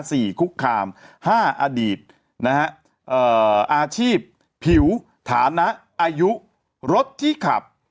คุกคามห้าอดีตนะฮะเอ่ออาชีพผิวฐานะอายุรถที่ขับ